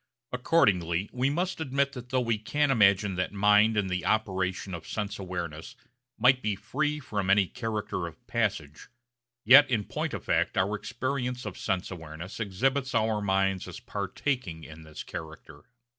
Accordingly we must admit that though we can imagine that mind in the operation of sense awareness might be free from any character of passage, yet in point of fact our experience of sense awareness exhibits our minds as partaking in this character.